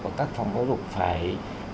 và các phòng giáo dục phải